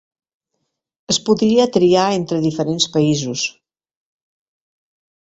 Es podia triar entre diferents països.